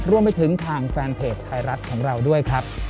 รวมไปถึงทางแฟนเพจไทยรัฐของเราด้วยครับ